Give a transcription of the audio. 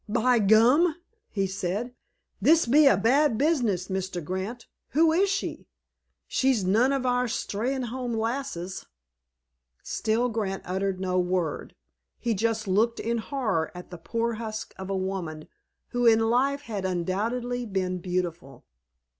"By gum!" he said, "this be a bad business, Mr. Grant. Who is she? She's none of our Steynholme lasses." Still Grant uttered no word. He just looked in horror at the poor husk of a woman who in life had undoubtedly been beautiful.